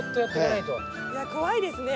いや怖いですね。